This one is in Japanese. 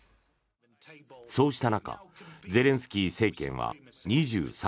そうした中ゼレンスキー政権は２３日